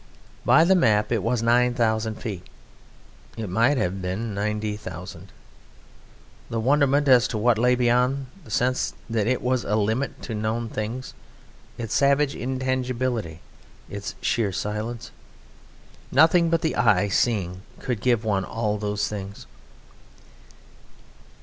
By the map it was 9000 feet. It might have been 90,000! The wonderment as to what lay beyond, the sense that it was a limit to known things, its savage intangibility, its sheer silence! Nothing but the eye seeing could give one all those things.